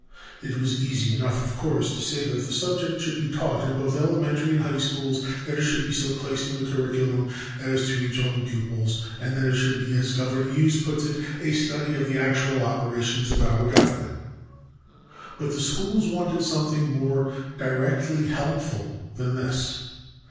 It was easy enough of course to say that the subject should be taught in both elementary and high schools, that it should be so placed in the curriculum, as to reach all the pupils, and that it should be, as Governor Hughes puts it, a study of the actual operations of our government. But the schools wanted something more directly helpful than this.